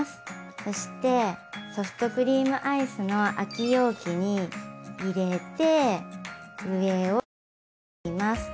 そしてソフトクリームアイスの空き容器に入れて上をひねります。